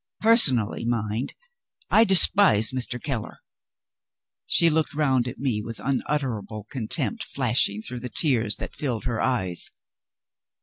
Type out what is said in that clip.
Personally, mind, I despise Mr. Keller." She looked round at me with unutterable contempt flashing through the tears that filled her eyes.